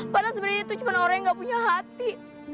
padahal sebenarnya itu cuma orang yang gak punya hati